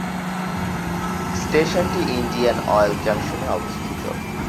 স্টেশনটি Indian Oil জংশনে অবস্থিত।